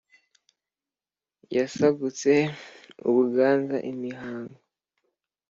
Yasagutse u Buganza imihango